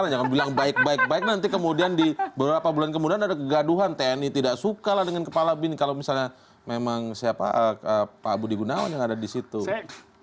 jangan lupa subscribe channel jepang tv